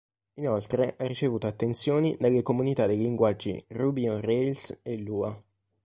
Inoltre, ha ricevuto attenzioni dalle comunità dei linguaggi Ruby on Rails e Lua.